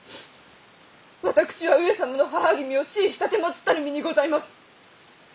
私は上様の母君を弑し奉ったる身にございます。